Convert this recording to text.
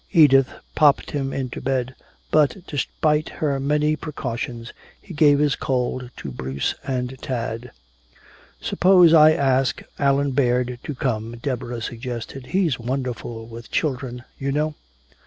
Edith popped him into bed, but despite her many precautions he gave his cold to Bruce and Tad. "Suppose I ask Allan Baird to come," Deborah suggested. "He's wonderful with children, you know."